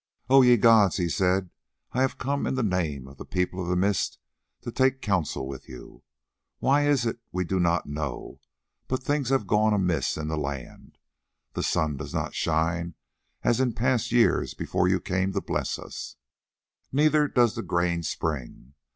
"Oh! ye gods," he said, "I come in the name of the People of the Mist to take counsel with you. Why it is we do not know, but things have gone amiss in the land: the sun does not shine as in past years before you came to bless us, neither does the grain spring.